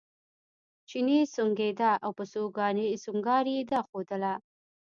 چیني سونګېده او په سونګاري یې دا ښودله.